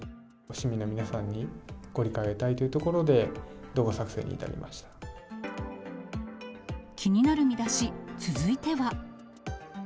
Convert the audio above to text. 市民の皆さんにご理解を得たいというところで、動画作成に至りま気になるミダシ、続いては。